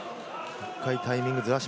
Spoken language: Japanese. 一回、タイミングをずらし